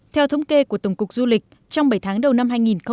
theo thống kê của tổng cục du lịch trong bảy tháng đầu năm hai nghìn một mươi tám